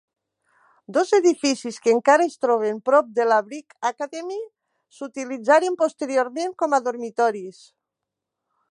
Dos edificis que encara es troben prop de la Brick Academy s'utilitzaren posteriorment com a dormitoris.